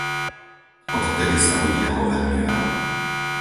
Odvtedy sa udialo veľmi veľa.